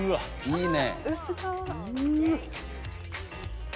いいね！